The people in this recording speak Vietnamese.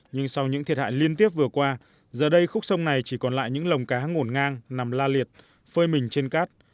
nhưng sau những thiệt hại liên tiếp vừa qua giờ đây khúc sông này chỉ còn lại những lồng cá ngổn ngang nằm la liệt phơi mình trên cát